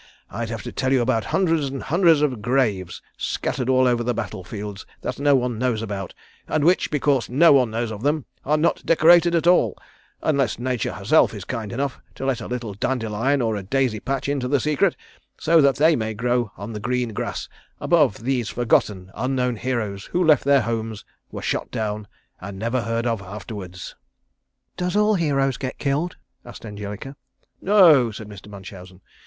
I'd have to tell you about hundreds and hundreds of graves scattered over the battle fields that no one knows about, and which, because no one knows of them, are not decorated at all, unless Nature herself is kind enough to let a little dandelion or a daisy patch into the secret, so that they may grow on the green grass above these forgotten, unknown heroes who left their homes, were shot down and never heard of afterwards." "Does all heroes get killed?" asked Angelica. "No," said Mr. Munchausen.